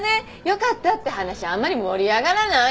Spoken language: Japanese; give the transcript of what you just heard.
よかったって話あんまり盛り上がらない。